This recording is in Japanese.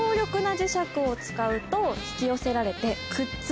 を使うと引き寄せられて。